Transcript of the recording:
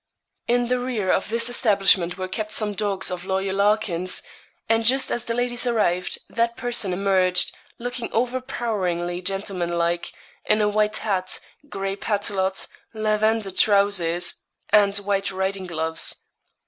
In the rear of this establishment were kept some dogs of Lawyer Larkin's; and just as the ladies arrived, that person emerged, looking overpoweringly gentlemanlike, in a white hat, gray paletot, lavender trowsers, and white riding gloves.